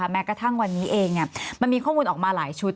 แม้กระทั่งวันนี้เองมันมีข้อมูลออกมาหลายชุด